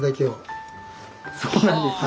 そうなんですね。